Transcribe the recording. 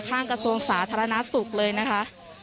กระทรวงสาธารณสุขเลยนะคะ